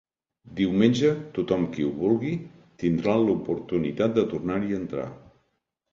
Diumenge, tothom qui ho vulgui tindrà l’oportunitat de tornar-hi a entrar.